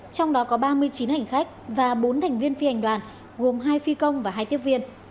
trong đó có ba mươi chín hành khách và bốn thành viên phi hành đoàn gồm hai phi công và hai tiếp viên